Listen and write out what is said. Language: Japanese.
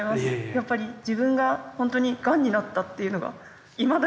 やっぱり自分が本当にがんになったっていうのがいまだに信じられなくて。